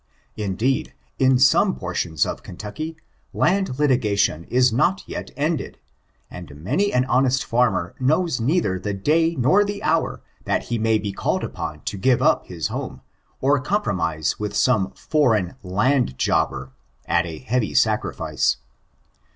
Indeed, in some portions of Kentucky, land litigation is not yet ended, and many an honest farmer knows neither the day nor the hour that he may be called upon to give up his home, or compromise with some foreign, " land jobber" at a heavy sacrifice.